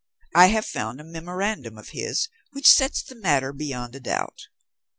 I have found a memorandum of his which sets the matter beyond a doubt."